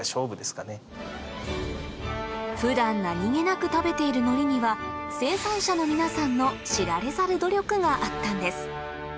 普段何げなく食べているのりには生産者の皆さんの知られざる努力があったんです